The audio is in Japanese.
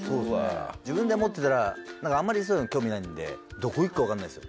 自分で持ってたらあんまりそういうの興味ないのでどこ行くか分かんないです。